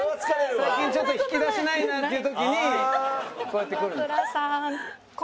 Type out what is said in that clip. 最近ちょっと引き出しないなっていう時にこうやってくるんだ。